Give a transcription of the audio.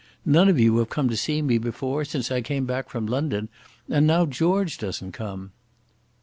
None of you have come to see me before, since I came back from London, and now George doesn't come."